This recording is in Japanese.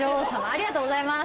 ありがとうございます。